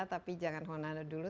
tapi jangan honano dulu